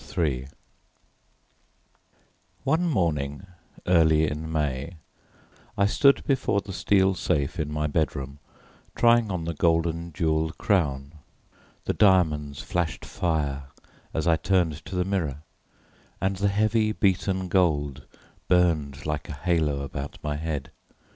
III One morning early in May I stood before the steel safe in my bedroom, trying on the golden jewelled crown. The diamonds flashed fire as I turned to the mirror, and the heavy beaten gold burned like a halo about my head.